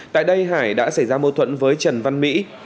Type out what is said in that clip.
tại đây hải đã xảy ra mâu thuẫn với trần văn mỹ